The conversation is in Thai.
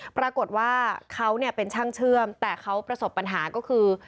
ปรากฏว่าเขาเป็นช่างเชื่อมแต่เขาประสบปัญหาก็คือ